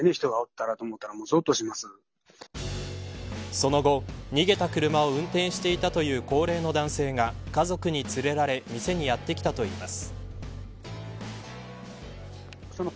その後、逃げた車を運転していたという高齢の男性が家族に連れられ店にやって来たといいます。